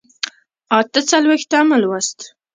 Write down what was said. اته څلوېښتم لوست